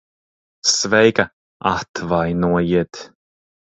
Sveika. Atvainojiet...